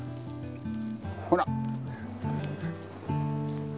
ほら。